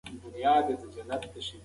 ماشومانو ته د ګلانو د نه شکولو درس ورکړئ.